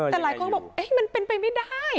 แต่หลายคนก็บอกมันเป็นไปไม่ได้